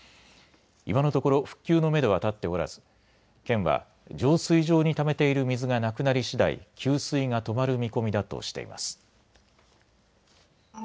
今のところ復旧のめどは立っておらず県は浄水場にためている水がなくなりしだい給水が止まる見込みだとしています。